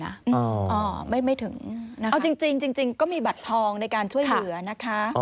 อ่าวจริงก็มีบัตรทองในการช่วยเหลือนะคะ